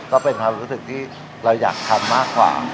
ก็เป็นความรู้สึกที่เราอยากทำมากกว่า